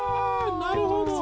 なるほど。